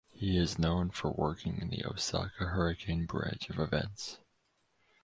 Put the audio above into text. He is known for working in the Osaka Hurricane branch of events.